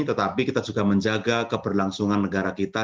tetapi kita juga menjaga keberlangsungan negara kita